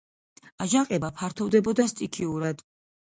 აჯანყება ფართოვდებოდა სტიქიურად.